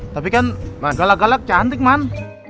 tapi kan galak galak cantik man